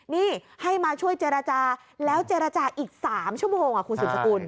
นี่ให้มาช่วยเจรจาแล้วเจรจาอีก๓ชั่วโมงคุณสุดสกุล